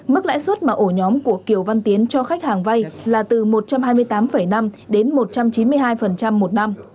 mức lãi suất mà ổ nhóm của kiều văn tiến cho khách hàng vay là từ một trăm hai mươi tám năm đến một trăm chín mươi hai một năm